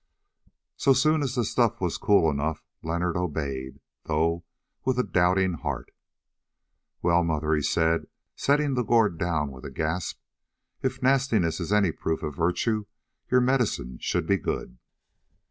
So soon as the stuff was cool enough Leonard obeyed, though with a doubting heart. "Well, mother," he said, setting the gourd down with a gasp, "if nastiness is any proof of virtue your medicine should be good."